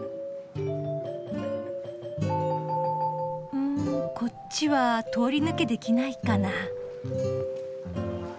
うんこっちは通り抜けできないかな。